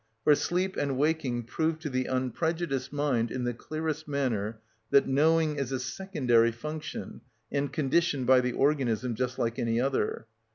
For sleep and waking prove to the unprejudiced mind in the clearest manner that knowing is a secondary function and conditioned by the organism, just like any other.